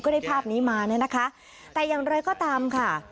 ได้ภาพนี้มาเนี่ยนะคะแต่อย่างไรก็ตามค่ะ